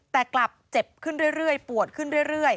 แต่กลับเจ็บขึ้นเรื่อยปวดขึ้นเรื่อย